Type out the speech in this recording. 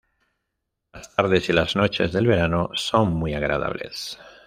Las tardes y las noches del verano son muy agradables.